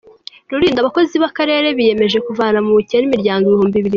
Rulindo Abakozi b’akarere biyemeje kuvana mu bukene imiryango ibihumbi bibiri